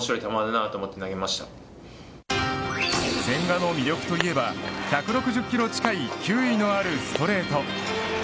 千賀の魅力といえば１６０キロ近い球威のあるストレート。